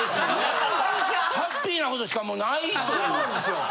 ハッピーなことしかもうないという。